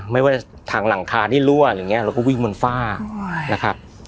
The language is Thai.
ไม่ว่าทางหลังคาที่รั่วเราก็วิ่งบนฝ้า